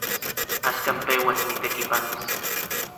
Axkan peuas nitekipanos.